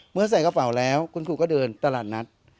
ใส่กระเป๋าแล้วคุณครูก็เดินตลาดนัด